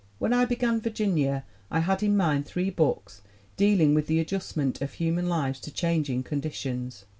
When I began Virginia I had in mind three books dealing with the adjustment of human lives to changing conditions.